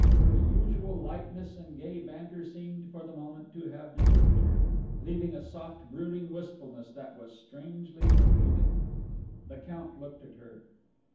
Her usual lightness and gay banter seemed for the moment to have deserted her, leaving a soft brooding wistfulness that was strangely appealing. The Count looked at her.